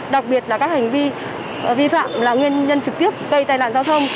đặc biệt là các hành vi vi phạm là nguyên nhân trực tiếp gây tai nạn giao thông